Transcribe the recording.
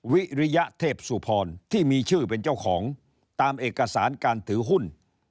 วิริยเทพสุพรที่มีชื่อเป็นเจ้าของตามเอกสารการถือหุ้น